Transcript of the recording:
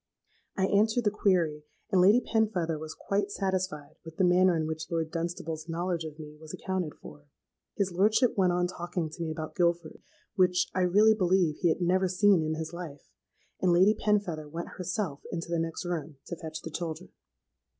—I answered the query; and Lady Penfeather was quite satisfied with the manner in which Lord Dunstable's knowledge of me was accounted for. His lordship went on talking to me about Guilford, (which, I really believe, he had never seen in his life); and Lady Penfeather went herself into the next room to fetch the children.